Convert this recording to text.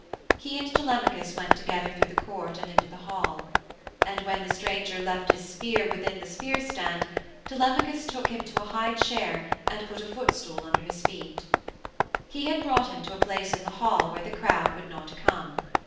He and Telemachus went together through the court and into the hall. And when the stranger left his spear within the spearstand Telemachus took him to a high chair and put a footstool under his feet. He had brought him to a place in the hall where the crowd would not come.